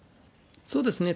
そうですね。